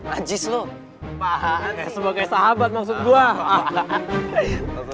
ajis lo sebagai sahabat maksud gue